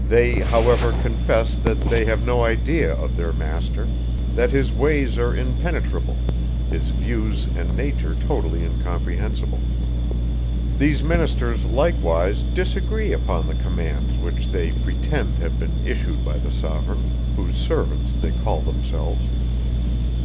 They, however, confess, that they have no idea of their master; that his ways are impenetrable; his views and nature totally incomprehensible. These ministers, likewise, disagree upon the commands which they pretend have been issued by the sovereign, whose servants they call themselves.